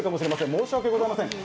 申し訳ございません